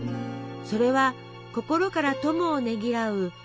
それは心から友をねぎらう